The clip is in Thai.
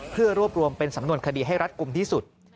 เพื่อรวบรวมเป็นสำนวนคดีให้รัฐกลุ่มที่สุด